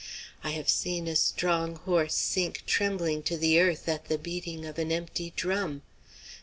I have seen a strong horse sink trembling to the earth at the beating of an empty drum.